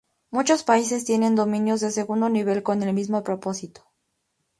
Muchos países tienen dominios de segundo nivel con el mismo propósito.